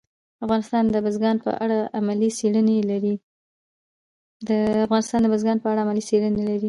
افغانستان د بزګان په اړه علمي څېړنې لري.